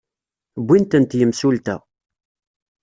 Wwin-tent yimsulta.